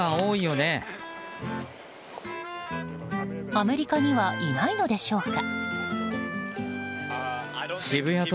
アメリカにはいないのでしょうか？